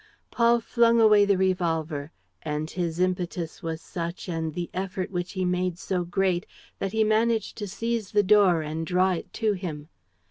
Paul flung away the revolver; and his impetus was such and the effort which he made so great that he managed to seize the door and draw it to him.